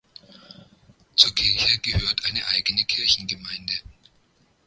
Zur Kirche gehört eine eigene Kirchengemeinde.